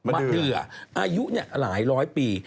เดืออายุหลายร้อยปี